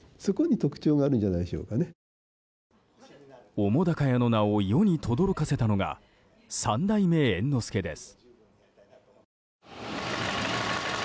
澤瀉屋の名を世にとどろかせたのが三代目猿之助です。